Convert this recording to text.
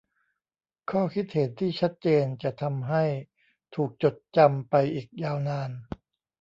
ข้อคิดเห็นที่ชัดเจนจะทำให้ถูกจดจำไปอีกยาวนาน